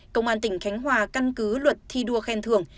công an tỉnh khánh hòa căn cứ luật thi đua khen thường